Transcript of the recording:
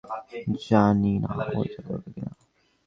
জানি না ও এটা করবে কিনা।